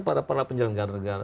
pada para penyelenggara negara